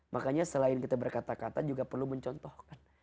makanya selain kita berkata kata juga perlu mencontohkan